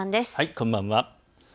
こんばんは。